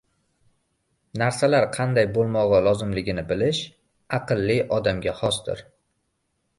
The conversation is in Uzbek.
Narsalar qanday bo‘lmog‘i lozimligini bilish aqlli odamga xosdir;